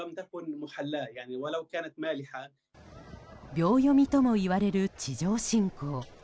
秒読みともいわれる地上侵攻。